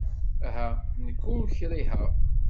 Aha, nekk ur k-kṛiheɣ.